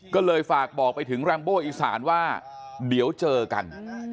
ก็เลยฝากบอกไปถึงแรมโบอีสานว่าเดี๋ยวเจอกัน